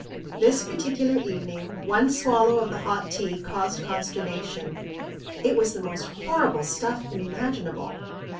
This particular evening, one swallow of the hot tea caused consternation. It was the most horrible stuff imaginable.